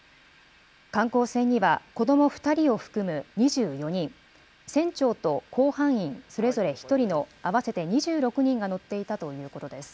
観光船には子ども２人を含む２４人、船長と甲板員それぞれ１人の合わせて２６人が乗っていたということです。